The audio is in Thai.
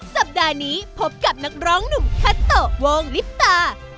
สัปดาห์นี้พบกับนักร้องหนุ่มคาโตะวงลิปตา